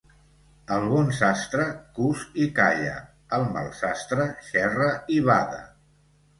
El bon sastre, cus i calla; el mal sastre, xerra i bada.